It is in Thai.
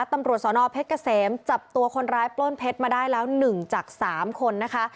ตำรวจสนเพชรเกษมจับตัวคนร้ายปล้นเพชรมาได้แล้ว๑จาก๓คนนะคะ